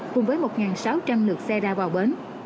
cùng với một sáu trăm linh lượt xe ra vào bến